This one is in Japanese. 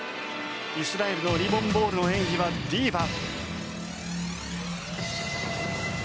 イスラエルのリボン・ボールの演技は「Ｄｉｖａ」。